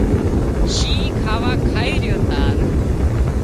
شينهن کاوا کائي ريو تار